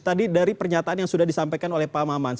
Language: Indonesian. tadi dari pernyataan yang sudah disampaikan oleh pak maman